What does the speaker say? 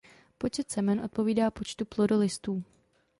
Počet semen odpovídá počtu plodolistů.